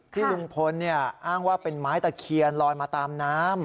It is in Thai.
ที่ลุงพลอ้างว่าเป็นไม้ตะเคียนลอยมาตามน้ำ